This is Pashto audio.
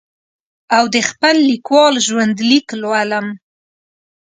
او د خپل لیکوال ژوند لیک لولم.